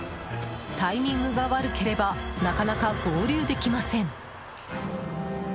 タイミングが悪ければなかなか合流できません。